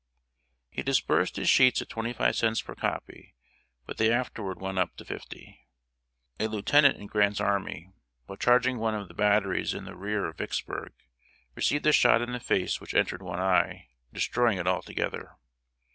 ] He disbursed his sheets at twenty five cents per copy, but they afterward went up to fifty. A lieutenant in Grant's army, while charging one of the batteries in the rear of Vicksburg, received a shot in the face which entered one eye, destroying it altogether.